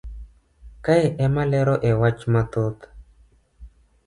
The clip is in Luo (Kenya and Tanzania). kae emalero e wach mathoth